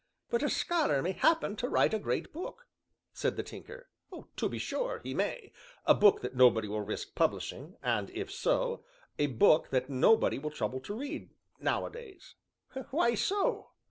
"But a scholar may happen to write a great book," said the Tinker. "To be sure he may; a book that nobody will risk publishing, and if so a book that nobody will trouble to read, nowadays." "Why so?"